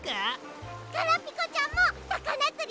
ガラピコちゃんもさかなつり？